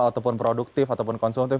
ataupun produktif ataupun konsumtif